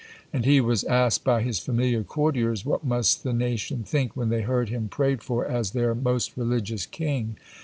And he was asked by his familiar courtiers, what must the nation think when they heard him prayed for as their most religious king?